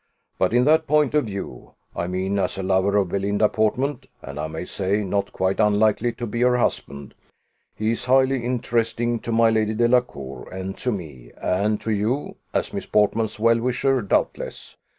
But in that point of view I mean as a lover of Belinda Portman, and I may say, not quite unlikely to be her husband he is highly interesting to my Lady Delacour, and to me, and to you, as Miss Portman's well wisher, doubtless."